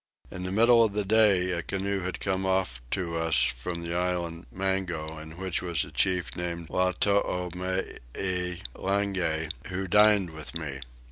In the middle of the day a canoe had come off to us from the island Mango in which was a chief named Latoomy lange, who dined with me.